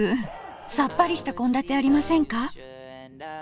さっぱりした献立ありませんか？